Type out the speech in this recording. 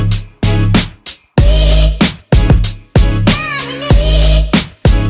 kamu udah cobain belum tafting